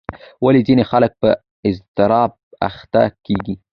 ولې ځینې خلک په اضطراب اخته کېږي؟